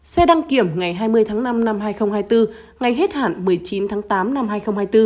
xe đăng kiểm ngày hai mươi tháng năm năm hai nghìn hai mươi bốn ngay hết hạn một mươi chín tháng tám năm hai nghìn hai mươi bốn